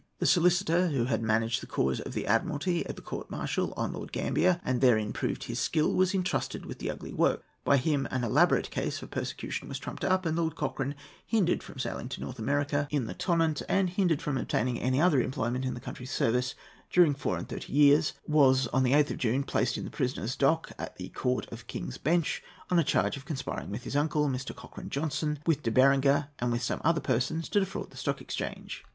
The solicitor who had managed the cause of the Admiralty at the court martial on Lord Gambier, and therein proved his skill, was entrusted with the ugly work. By him an elaborate case for prosecution was trumped up, and Lord Cochrane, hindered from sailing to North America in the Tonnant, and hindered from obtaining any other employment in his country's service during four and thirty years, was, on the 8th of June, placed in the prisoner's dock at the Court of King's Bench on a charge of conspiring with his uncle, Mr. Cochrane Johnstone, with De Berenger, and with some other persons, to defraud the Stock Exchange.